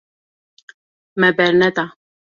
Me berneda.